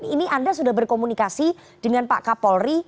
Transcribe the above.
ini anda sudah berkomunikasi dengan pak kapolri